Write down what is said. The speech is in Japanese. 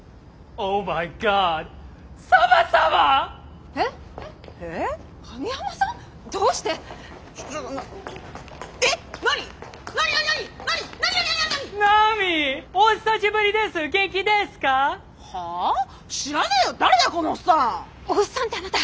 「おっさん」ってあなた！